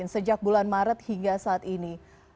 sejak bulan maret hingga saat ini